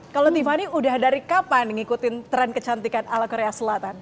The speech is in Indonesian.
kalau tiffany udah dari kapan ngikutin tren kecantikan ala korea selatan